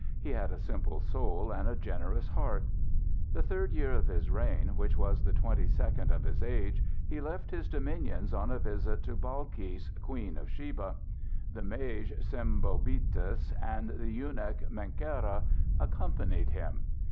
He had a simple soul and a generous heart The third year of his reign, which was the twenty second of his age, he left his dominions on a visit to Balkis, Queen of Sheba. The mage Sembobitis and the eunuch Menkera accompanied him.